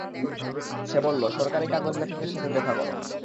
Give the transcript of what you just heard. সে বললো সরকারি কাগজ লেখকের সাথে দেখা করো।